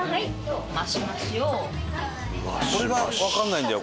これがわかんないんだよ